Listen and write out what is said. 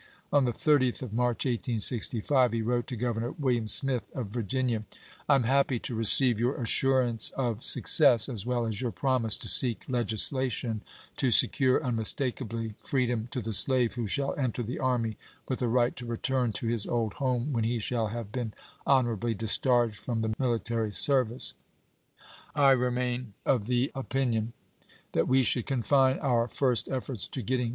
On the 30th of March, 1865, he wrote to Governor William Smith, of Virginia : I am happy to receive your assurance of success, as well as your promise to seek legislation to secure unmistakably freedom to the slave who shall enter the army, with a right to return to his old home when he shall have been honor ably discharged from the military service. I remain of the RETALIATION 487 opinion that we should confine our first efforts to getting chap.